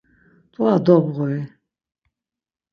T̆ua dobğuri.